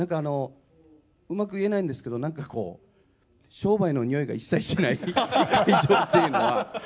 うまく言えないんですけど商売のにおいが一切しない会場っていうのは。